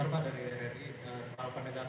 pak saya mau tanya dari rt